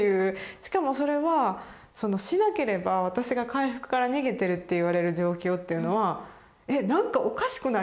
しかもそれはしなければ私が回復から逃げてるって言われる状況っていうのは「えっなんかおかしくない？